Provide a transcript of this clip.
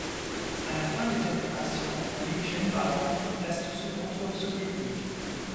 À la fin des opérations, l'île Zhenbao reste sous contrôle soviétique.